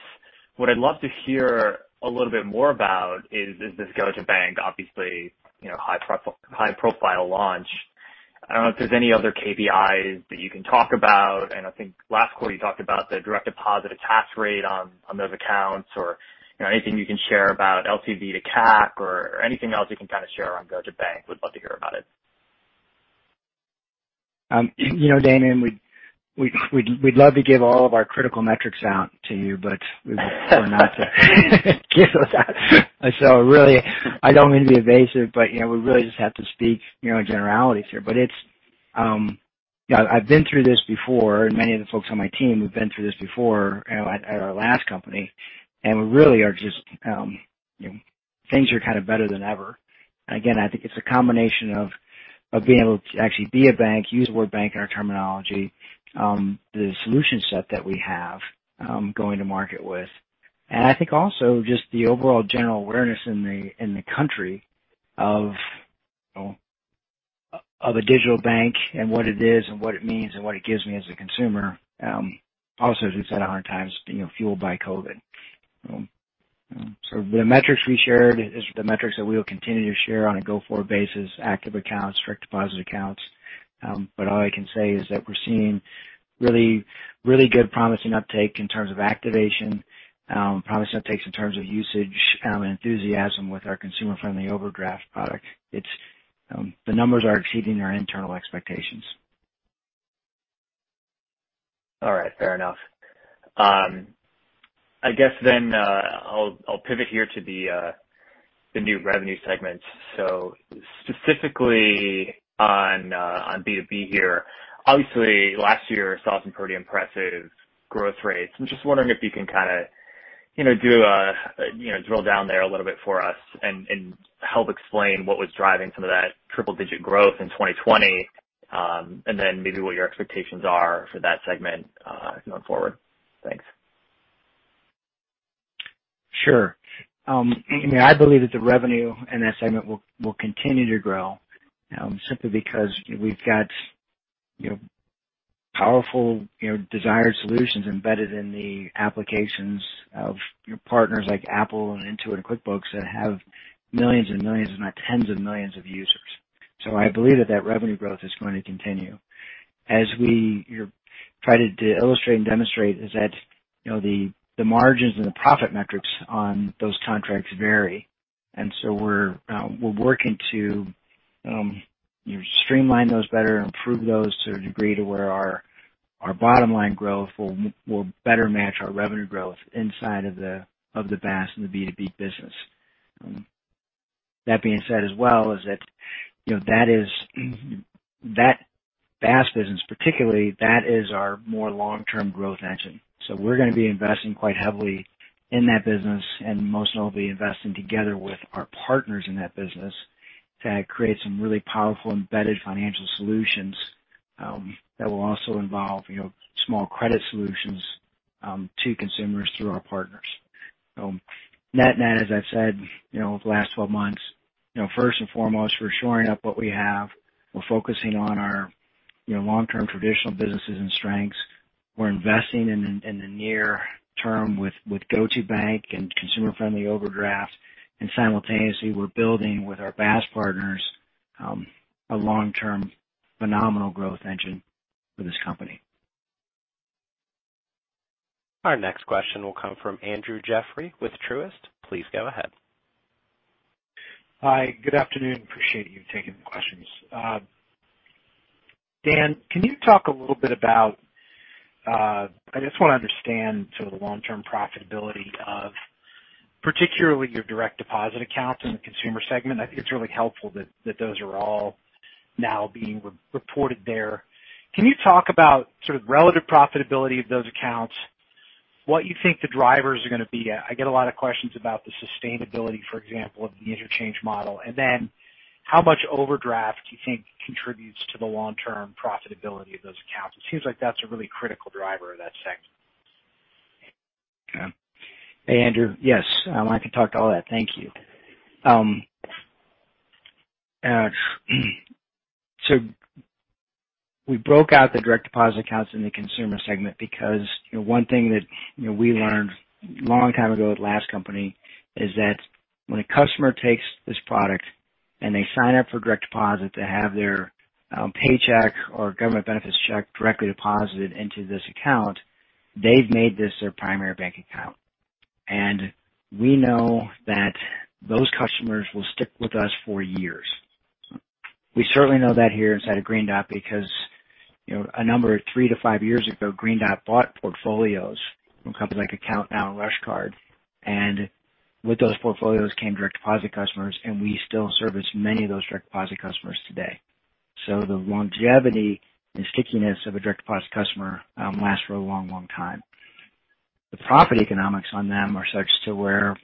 Speaker 7: what I'd love to hear a little bit more about is this GO2bank, obviously high-profile launch. I don't know if there's any other KPIs that you can talk about, and I think last quarter you talked about the direct deposit attach rate on those accounts or anything you can share about LTV to CAC or anything else you can kind of share on GO2bank. Would love to hear about it.
Speaker 3: Damian, we'd love to give all of our critical metrics out to you, but we prefer not to give those out. Really, I don't mean to be evasive, but we really just have to speak in generalities here. I've been through this before, and many of the folks on my team have been through this before at our last company, and things are kind of better than ever. Again, I think it's a combination of being able to actually be a bank, use the word bank in our terminology, the solution set that we have going to market with. I think also just the overall general awareness in the country of a digital bank and what it is and what it means and what it gives me as a consumer also, as we've said 100 times, fueled by COVID. The metrics we shared is the metrics that we will continue to share on a go-forward basis, active accounts, direct deposit accounts. All I can say is that we're seeing really good promising uptake in terms of activation, promising uptakes in terms of usage, and enthusiasm with our consumer-friendly overdraft product. The numbers are exceeding our internal expectations.
Speaker 7: All right, fair enough. I guess I'll pivot here to the new revenue segments. Specifically on B2B here, obviously last year saw some pretty impressive growth rates. I'm just wondering if you can kind of drill down there a little bit for us and help explain what was driving some of that triple-digit growth in 2020, then maybe what your expectations are for that segment going forward. Thanks.
Speaker 3: Sure. I believe that the revenue in that segment will continue to grow simply because we've got powerful desired solutions embedded in the applications of partners like Apple and Intuit and QuickBooks that have millions and millions, if not tens of millions of users. I believe that that revenue growth is going to continue. As we try to illustrate and demonstrate, the margins and the profit metrics on those contracts vary. We're working to streamline those better and improve those to a degree to where our bottom line growth will better match our revenue growth inside of the BaaS and the B2B business. That being said as well, the BaaS business particularly, that is our more long-term growth engine. We're going to be investing quite heavily in that business and most notably investing together with our partners in that business to create some really powerful embedded financial solutions that will also involve small credit solutions to consumers through our partners. Net-net, as I've said over the last 12 months, first and foremost, we're shoring up what we have. We're focusing on our long-term traditional businesses and strengths. We're investing in the near term with GO2bank and consumer-friendly overdraft. Simultaneously, we're building with our BaaS partners a long-term phenomenal growth engine for this company.
Speaker 1: Our next question will come from Andrew Jeffrey with Truist. Please go ahead.
Speaker 8: Hi. Good afternoon. Appreciate you taking the questions. Dan, can you talk a little bit. I just want to understand sort of the long-term profitability of particularly your direct deposit accounts in the consumer segment. I think it's really helpful that those are all now being reported there. Can you talk about sort of the relative profitability of those accounts, what you think the drivers are going to be? I get a lot of questions about the sustainability, for example, of the interchange model, and then how much overdraft do you think contributes to the long-term profitability of those accounts? It seems like that's a really critical driver of that segment.
Speaker 3: Okay. Hey, Andrew. Yes, I can talk to all that. Thank you. We broke out the direct deposit accounts in the consumer segment because one thing that we learned long time ago at the last company is that when a customer takes this product and they sign up for direct deposit to have their paycheck or government benefits check directly deposited into this account, they've made this their primary bank account. We know that those customers will stick with us for years. We certainly know that here inside of Green Dot because a number of three to five years ago, Green Dot bought portfolios from companies like AccountNow and RushCard. With those portfolios came direct deposit customers, and we still service many of those direct deposit customers today. The longevity and stickiness of a direct deposit customer lasts for a long time. The profit economics on them are such to where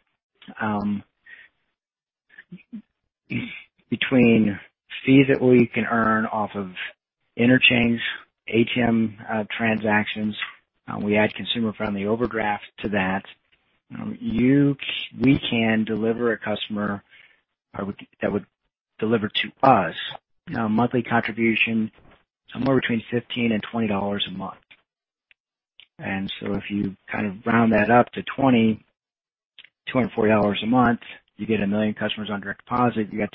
Speaker 3: between fees that we can earn off of interchange ATM transactions, we add consumer-friendly overdraft to that. We can deliver a customer that would deliver to us a monthly contribution somewhere between $15-$20 a month. If you kind of round that up to $20, $240 a month, you get 1 million customers on direct deposit, you get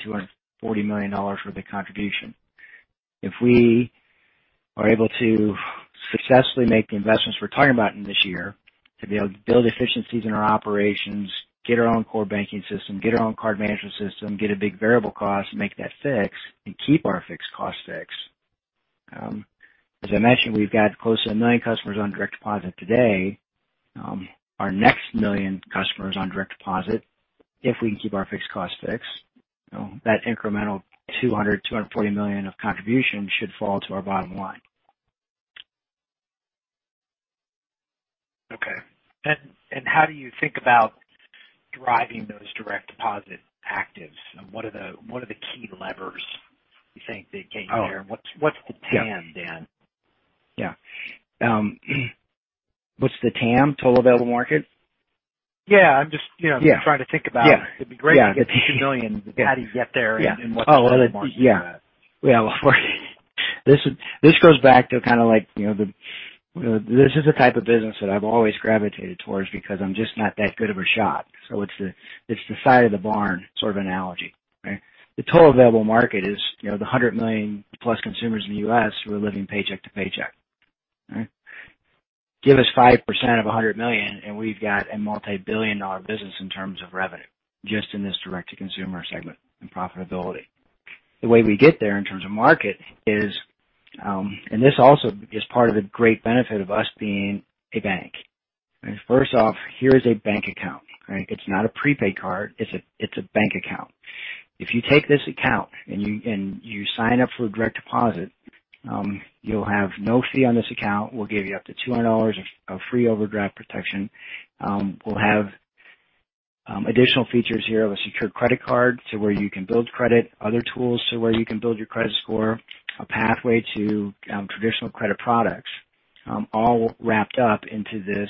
Speaker 3: $240 million worth of contribution. If we are able to successfully make the investments we're talking about in this year to be able to build efficiencies in our operations, get our own core banking system, get our own card management system, get a big variable cost, make that fixed, and keep our fixed costs fixed. As I mentioned, we've got close to 1 million customers on direct deposit today. Our next million customers on direct deposit, if we can keep our fixed costs fixed, that incremental $200, $240 million of contribution should fall to our bottom line.
Speaker 8: Okay. How do you think about driving those direct deposit actives? What are the key levers you think that get you there? What's the TAM, Dan?
Speaker 3: Yeah. What's the TAM? Total available market?
Speaker 8: Yeah. I'm just trying to think about it.
Speaker 3: Yeah.
Speaker 8: It'd be great to get to $2 million, but how do you get there and what's the total market for that?
Speaker 3: Yeah. Well, this goes back to kind of like-- This is the type of business that I've always gravitated towards because I'm just not that good of a shot. It's the side of the barn sort of analogy, right? The total available market is the 100 million plus consumers in the U.S. who are living paycheck to paycheck, right? Give us 5% of 100 million, and we've got a multi-billion dollar business in terms of revenue, just in this direct-to-consumer segment and profitability. The way we get there in terms of market is, and this also is part of the great benefit of us being a bank. First off, here is a bank account. It's not a prepaid card. It's a bank account. If you take this account and you sign up for direct deposit, you'll have no fee on this account. We'll give you up to $200 of free overdraft protection. We'll have additional features here of a secured credit card so where you can build credit, other tools so where you can build your credit score, a pathway to traditional credit products all wrapped up into this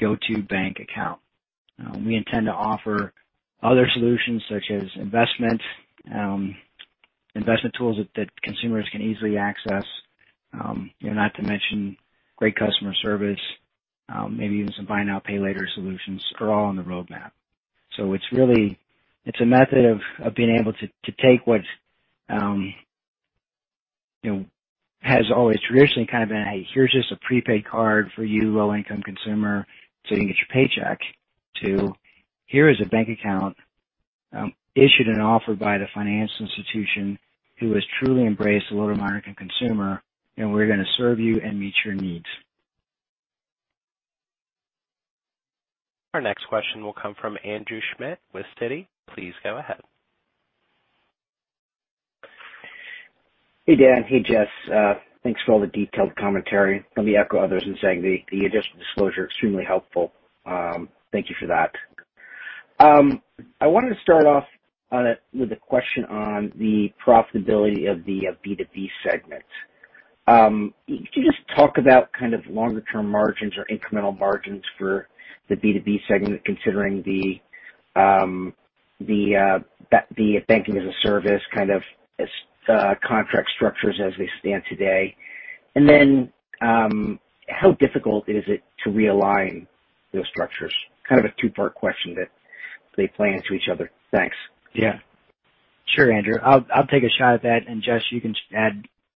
Speaker 3: GO2bank account. We intend to offer other solutions, such as investment tools that consumers can easily access, not to mention great customer service, maybe even some buy now, pay later solutions are all on the roadmap. It's a method of being able to take what has always traditionally kind of been, hey, here's just a prepaid card for you low-income consumer so you can get your paycheck, to here is a bank account issued and offered by the financial institution who has truly embraced the low-to-moderate consumer, and we're going to serve you and meet your needs.
Speaker 1: Our next question will come from Andrew Schmidt with Citi. Please go ahead.
Speaker 9: Hey, Dan. Hey, Jess. Thanks for all the detailed commentary. Let me echo others in saying the additional disclosure, extremely helpful. Thank you for that. I wanted to start off with a question on the profitability of the B2B segment. Can you just talk about kind of longer term margins or incremental margins for the B2B segment, considering the Banking as a Service kind of contract structures as they stand today? How difficult is it to realign those structures? Kind of a two-part question that they play into each other. Thanks.
Speaker 3: Yeah. Sure, Andrew. I'll take a shot at that, and Jess, you can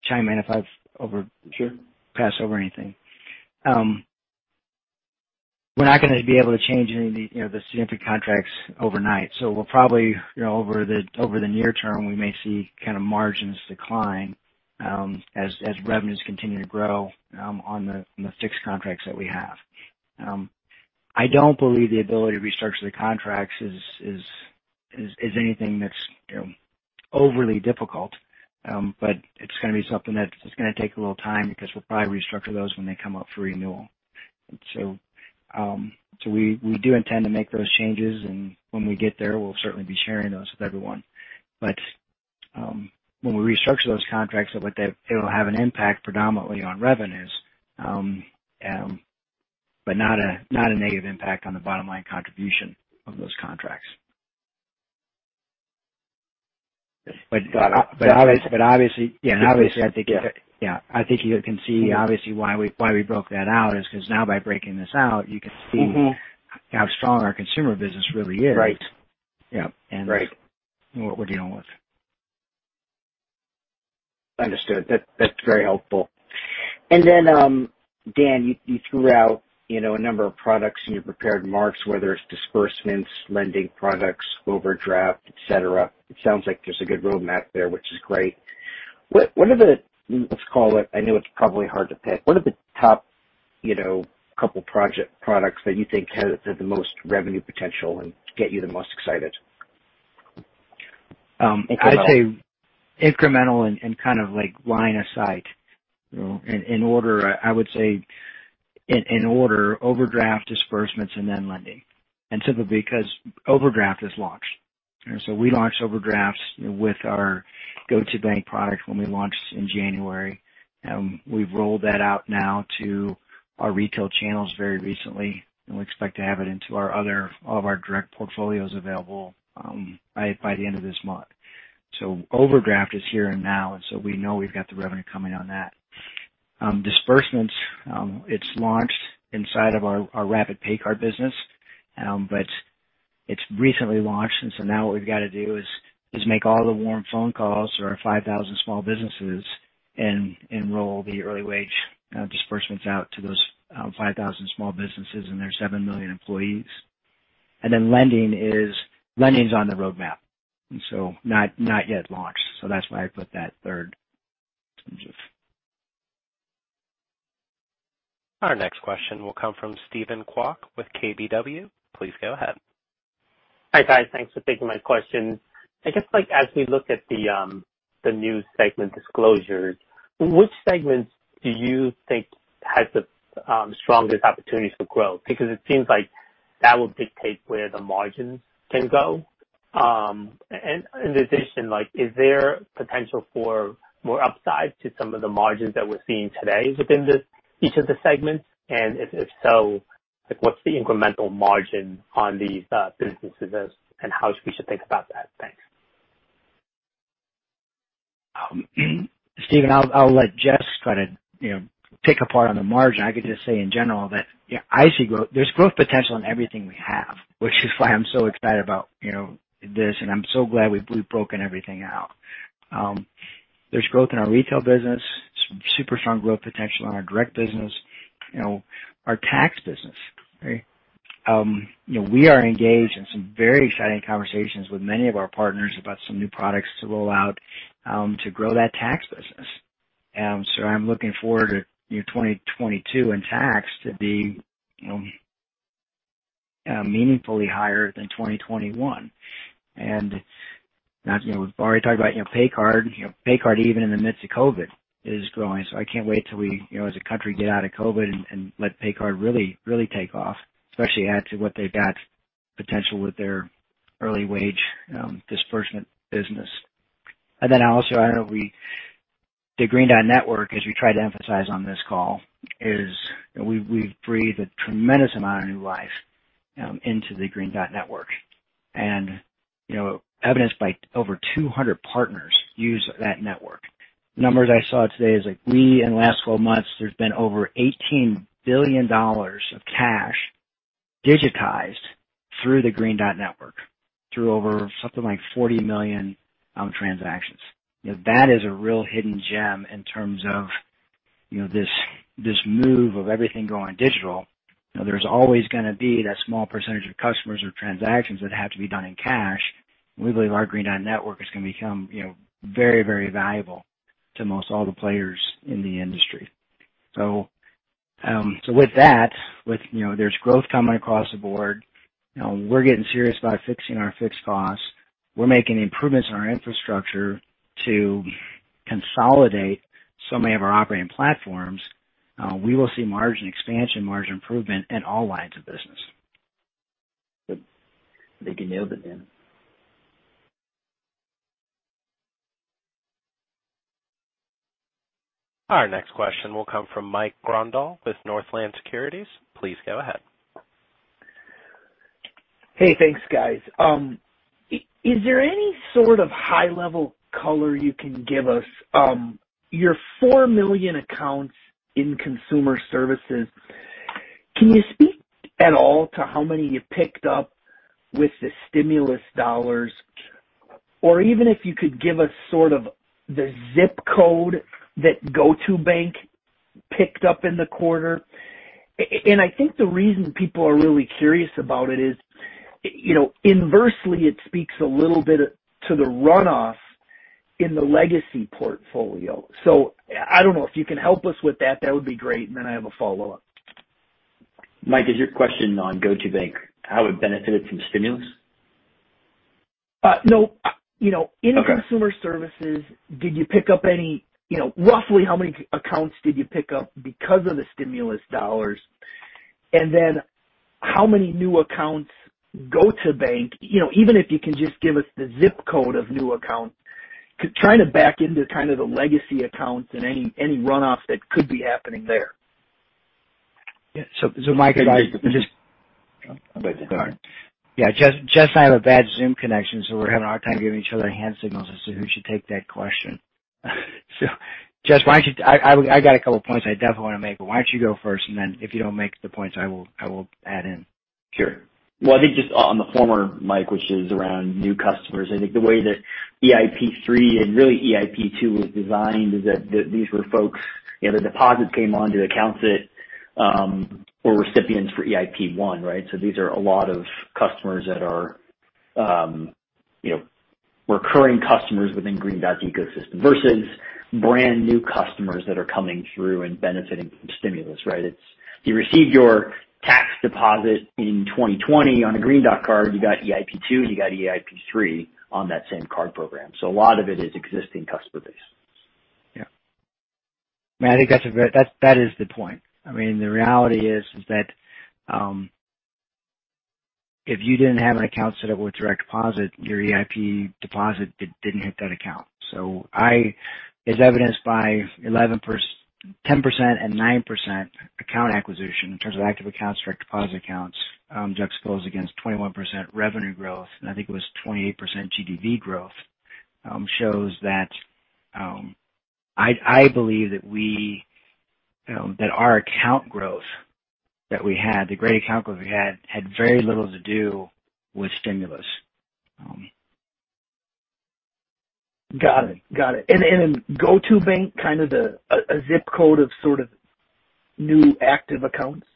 Speaker 3: chime in if I've-
Speaker 4: Sure
Speaker 3: passed over anything. We're not going to be able to change any of the significant contracts overnight. We'll probably, over the near term, we may see margins decline as revenues continue to grow on the fixed contracts that we have. I don't believe the ability to restructure the contracts is anything that's overly difficult. It's going to be something that's going to take a little time because we'll probably restructure those when they come up for renewal. We do intend to make those changes, and when we get there, we'll certainly be sharing those with everyone. When we restructure those contracts, it'll have an impact predominantly on revenues, but not a negative impact on the bottom line contribution of those contracts. Obviously, I think you can see obviously why we broke that out is because now by breaking this out, you can see how strong our consumer business really is.
Speaker 9: Right.
Speaker 3: Yeah.
Speaker 9: Right.
Speaker 3: What we're dealing with.
Speaker 9: Understood. That's very helpful. Then, Dan, you threw out a number of products in your prepared remarks, whether it's disbursements, lending products, overdraft, et cetera. It sounds like there's a good roadmap there, which is great. What are the, let's call it, I know it's probably hard to pick. What are the top couple products that you think have the most revenue potential and get you the most excited? Incremental.
Speaker 3: I'd say incremental and kind of like line of sight. In order, I would say, in order, overdraft, disbursements, then lending. Typically because overdraft is launched. We launched overdrafts with our GO2bank product when we launched in January. We've rolled that out now to our retail channels very recently, and we expect to have it into all of our direct portfolios available by the end of this month. Overdraft is here and now, we know we've got the revenue coming on that. Disbursement, it's launched inside of our rapid! PayCard business. It's recently launched, now what we've got to do is make all the warm phone calls to our 5,000 small businesses and enroll the early wage disbursements out to those 5,000 small businesses and their 7 million employees. Lending's on the roadmap. Not yet launched. That's why I put that third in terms of.
Speaker 1: Our next question will come from Steven Kwok with KBW. Please go ahead.
Speaker 10: Hi, guys. Thanks for taking my question. I guess, as we look at the new segment disclosures, which segments do you think has the strongest opportunities for growth? It seems like that will dictate where the margins can go. In addition, is there potential for more upside to some of the margins that we're seeing today within each of the segments? If so, what's the incremental margin on these businesses and how we should think about that? Thanks.
Speaker 3: Steven, I'll let Jess kind of pick apart on the margin. I could just say in general that, yeah, there's growth potential in everything we have, which is why I'm so excited about this, and I'm so glad we've broken everything out. There's growth in our retail business, some super strong growth potential in our direct business, our tax business, right? We are engaged in some very exciting conversations with many of our partners about some new products to roll out to grow that tax business. I'm looking forward to 2022 in tax to be meaningfully higher than 2021. We've already talked about PayCard. PayCard, even in the midst of COVID, is growing. I can't wait till we, as a country, get out of COVID and let PayCard really take off, especially add to what they've got potential with their early wage disbursement business. The Green Dot Network, as we tried to emphasize on this call, is we've breathed a tremendous amount of new life into the Green Dot Network. Evidenced by over 200 partners use that network. Numbers I saw today is like we, in the last 12 months, there's been over $18 billion of cash digitized through the Green Dot Network, through over something like 40 million transactions. That is a real hidden gem in terms of this move of everything going digital. There's always going to be that small percentage of customers or transactions that have to be done in cash. We believe our Green Dot Network is going to become very valuable to most all the players in the industry. So with that, there's growth coming across the board. We're getting serious about fixing our fixed costs. We're making improvements in our infrastructure to consolidate so many of our operating platforms. We will see margin expansion, margin improvement in all lines of business.
Speaker 4: I think you nailed it, Dan.
Speaker 1: Our next question will come from Mike Grondahl with Northland Securities. Please go ahead.
Speaker 11: Hey, thanks guys. Is there any sort of high-level color you can give us? Your 4 million accounts in consumer services, can you speak at all to how many you picked up with the stimulus dollars? Even if you could give us sort of the zip code that GO2bank picked up in the quarter? I think the reason people are really curious about it is, inversely it speaks a little bit to the runoff in the legacy portfolio. I don't know if you can help us with that would be great, and then I have a follow-up.
Speaker 4: Mike, is your question on GO2bank, how it benefited from stimulus?
Speaker 11: No.
Speaker 4: Okay.
Speaker 11: In consumer services, roughly how many accounts did you pick up because of the stimulus dollars? How many new accounts GO2bank, even if you can just give us the zip code of new accounts, trying to back into kind of the legacy accounts and any runoff that could be happening there?
Speaker 3: So Mike-
Speaker 4: Can I just-
Speaker 3: Yeah. Jess and I have a bad Zoom connection. We're having a hard time giving each other hand signals as to who should take that question. Jess, I got a couple of points I definitely want to make. Why don't you go first? If you don't make the points, I will add in.
Speaker 4: Sure. I think just on the former, Mike Grondahl, which is around new customers, I think the way that EIP3 and really EIP2 was designed is that these were folks, the deposits came onto accounts that were recipients for EIP1, right? These are a lot of customers that are recurring customers within Green Dot's ecosystem, versus brand-new customers that are coming through and benefiting from stimulus, right? You received your tax deposit in 2020 on a Green Dot card. You got EIP2, and you got EIP3 on that same card program. A lot of it is existing customer base.
Speaker 3: Yeah. I think that is the point. The reality is that if you didn't have an account set up with direct deposit, your EIP deposit didn't hit that account. As evidenced by 10% and 9% account acquisition in terms of active accounts, direct deposit accounts, juxtaposed against 21% revenue growth, and I think it was 28% GDV growth, shows that I believe that our account growth that we had, the great account growth we had very little to do with stimulus.
Speaker 11: Got it. In GO2bank, kind of a zip code of sort of new active accounts?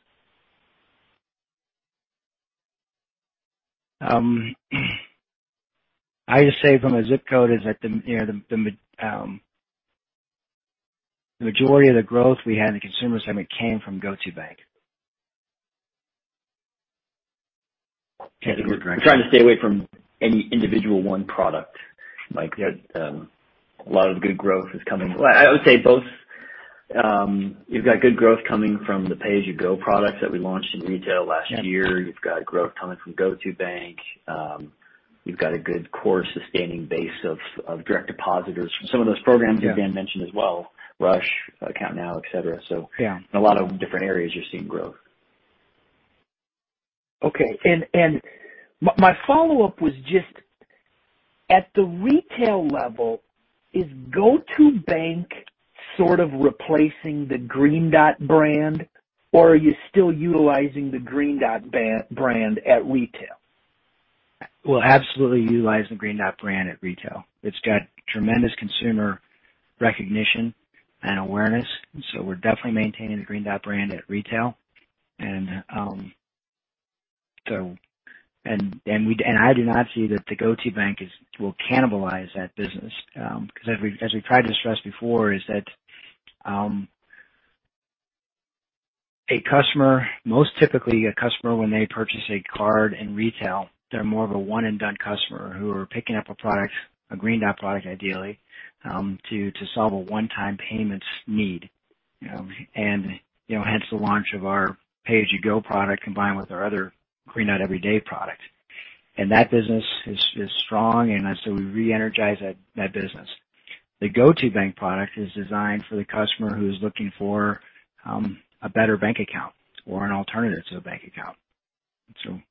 Speaker 3: I just say from a zip code is that the majority of the growth we had in the consumer segment came from GO2bank.
Speaker 4: I think we're trying to stay away from any individual one product. Mike, a lot of the good growth is coming. Well, I would say both. You've got good growth coming from the Pay As You Go products that we launched in retail last year. You've got growth coming from GO2bank. You've got a good core sustaining base of direct depositors from some of those programs that Dan mentioned as well, Rush, AccountNow, et cetera.
Speaker 3: Yeah.
Speaker 4: A lot of different areas you're seeing growth.
Speaker 11: Okay. My follow-up was just at the retail level, is GO2bank sort of replacing the Green Dot brand, or are you still utilizing the Green Dot brand at retail?
Speaker 3: We'll absolutely utilize the Green Dot brand at retail. It's got tremendous consumer recognition and awareness, we're definitely maintaining the Green Dot brand at retail. I do not see that the GO2bank will cannibalize that business, because as we've tried to stress before, is that most typically, a customer when they purchase a card in retail, they're more of a one-and-done customer who are picking up a product, a Green Dot product ideally, to solve a one-time payments need. Hence the launch of our Pay As You Go product combined with our other Green Dot Everyday product. That business is strong, we re-energize that business. The GO2bank product is designed for the customer who's looking for a better bank account or an alternative to a bank account.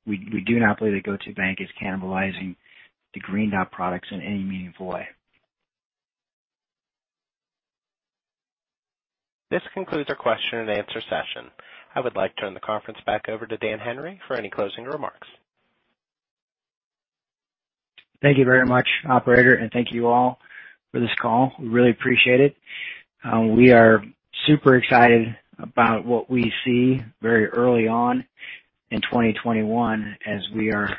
Speaker 3: We do not believe that GO2bank is cannibalizing the Green Dot products in any meaningful way.
Speaker 1: This concludes our question and answer session. I would like to turn the conference back over to Dan Henry for any closing remarks.
Speaker 3: Thank you very much, operator, and thank you all for this call. We really appreciate it. We are super excited about what we see very early on in 2021 as we are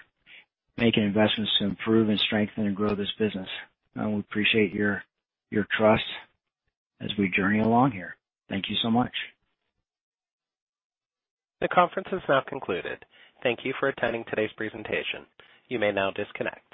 Speaker 3: making investments to improve and strengthen and grow this business. We appreciate your trust as we journey along here. Thank you so much.
Speaker 1: The conference has now concluded. Thank you for attending today's presentation. You may now disconnect.